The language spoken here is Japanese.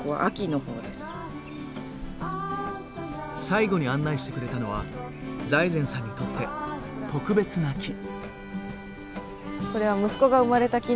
最後に案内してくれたのは財前さんにとって特別な木。